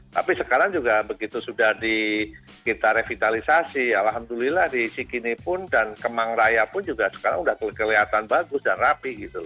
tapi sekarang juga begitu sudah kita revitalisasi alhamdulillah di sikini pun dan kemang raya pun juga sekarang sudah kelihatan bagus dan rapi